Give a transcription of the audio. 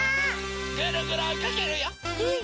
ぐるぐるおいかけるよ！